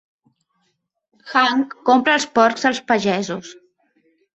Hank compra els porcs als pagesos.